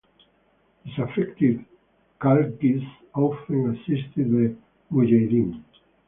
Disaffected Khalqis often assisted the Mujahideen.